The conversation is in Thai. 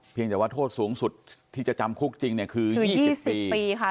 เพียงแต่ว่าโทษสูงสุดที่จะจำคุกจริงเนี้ยคือคือยี่สิบปีค่ะ